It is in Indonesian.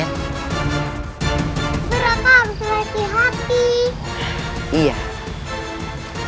berapa harus selesih hati